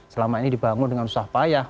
selama ini dibangun dengan susah payah